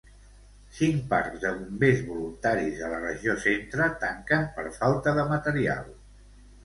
Cinc parcs de bombers voluntaris de la Regió Centre tanquen per falta de material.